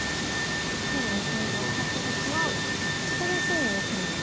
黒が２線にまたハッた時はそこで隅に打つのも。